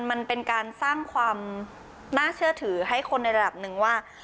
มันเป็นการสร้างความน่าเชื่อถือให้คนในระดับหนึ่งว่า